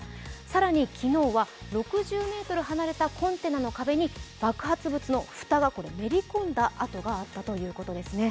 更に、昨日は６０ｍ離れたコンテナの壁に爆発物の蓋がめり込んだあとがあったということですね。